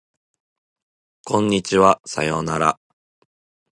こんにちはさようなら